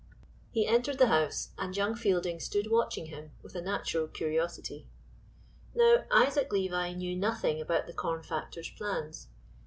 He entered the house, and young Fielding stood watching him with a natural curiosity. Now Isaac Levi knew nothing about the corn factor's plans.